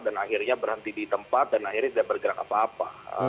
dan akhirnya berhenti di tempat dan akhirnya tidak bergerak apa apa